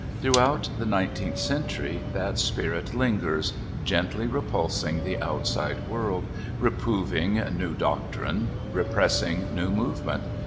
Throughout the nineteenth century that spirit lingers, gently repulsing the outside world, reproving new doctrine, repressing new movement...